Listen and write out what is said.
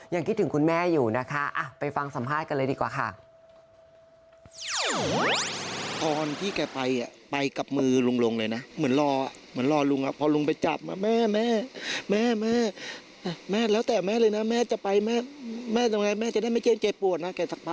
คิดถึงคุณแม่อยู่นะคะไปฟังสัมภาษณ์กันเลยดีกว่าค่ะ